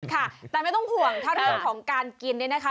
ค่ะแต่ไม่ต้องห่วงถ้าเรื่องของการกินเนี่ยนะคะ